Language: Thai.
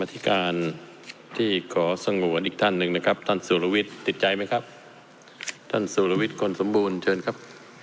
ที่การที่ขอสงวนอีกท่านหนึ่งนะครับท่านสุรวิทย์ติดใจไหมครับท่านสุรวิทย์คนสมบูรณ์เชิญครับ